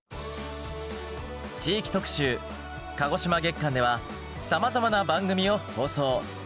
地域特集鹿児島月間ではさまざまな番組を放送。